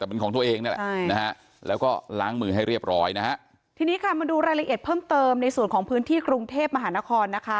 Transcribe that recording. แต่เป็นของตัวเองนี่แหละใช่นะฮะแล้วก็ล้างมือให้เรียบร้อยนะฮะทีนี้ค่ะมาดูรายละเอียดเพิ่มเติมในส่วนของพื้นที่กรุงเทพมหานครนะคะ